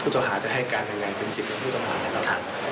พุทธอาหารจะให้การยังไงเป็นสิทธิ์ของพุทธอาหาร